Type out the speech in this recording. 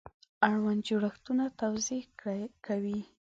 اړوند جوړښتونه توضیح کوي.